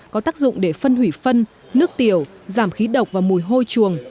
có tác dụng để phân hủy phân nước tiểu giảm khí độc và mùi hôi chuồng